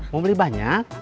mau beli banyak